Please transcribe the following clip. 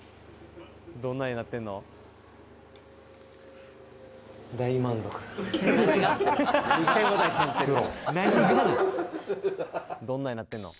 ・どんな画になってんの？